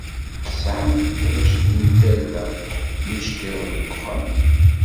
Tesεam tamacint n tarda n yiceṭṭiḍen deg uxxam?